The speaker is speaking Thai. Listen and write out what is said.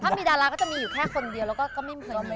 ถ้ามีดาราก็จะมีอยู่แค่คนเดียวแล้วก็ไม่มี